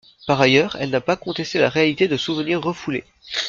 Par ailleurs, elle n'a pas contesté la réalité de souvenirs refoulés.